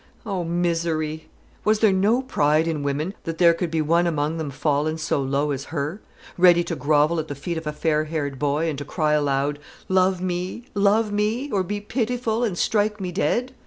Oh, misery! Was there no pride in women, that there could be one among them fallen so low as her; ready to grovel at the feet of a fair haired boy, and to cry aloud, "Love me, love me! or be pitiful, and strike me dead!"